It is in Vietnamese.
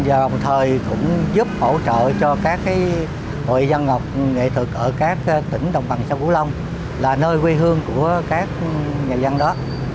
và đồng thời cũng giúp hỗ trợ cho các hội văn học nghệ thuật ở các tỉnh đồng bằng sông củ long là nơi quê hương của các nhà dân đó